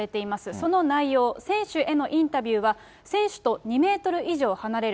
その内容、選手へのインタビューは、選手と２メートル以上離れる。